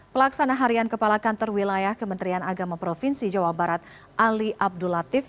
pelaksana harian kepala kantor wilayah kementerian agama provinsi jawa barat ali abdul latif